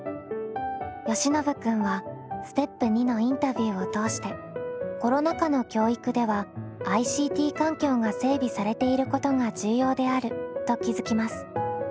よしのぶ君はステップ２のインタビューを通してコロナ禍の教育ではＩＣＴ環境が整備されていることが重要であると気付きます。